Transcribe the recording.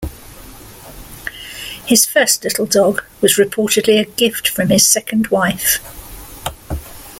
His first little dog was reportedly a gift from his second wife.